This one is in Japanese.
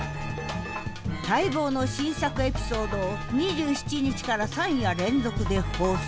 待望の新作エピソードを２７日から３夜連続で放送。